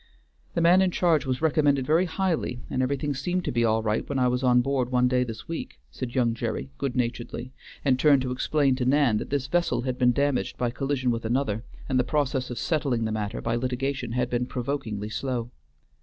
"The man in charge was recommended very highly, and everything seemed to be all right when I was on board one day this week," said young Gerry, good naturedly, and turned to explain to Nan that this vessel had been damaged by collision with another, and the process of settling the matter by litigation had been provokingly slow.